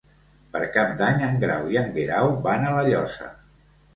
Per Cap d'Any en Grau i en Guerau van a La Llosa.